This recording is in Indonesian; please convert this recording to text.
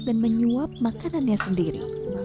dan menyuap makanannya sendiri